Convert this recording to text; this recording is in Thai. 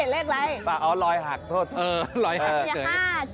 เลขอะไร